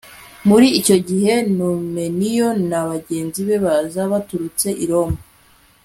muri icyo gihe, numeniyo na bagenzi be baza baturutse i roma